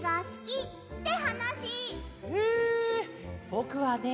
ぼくはね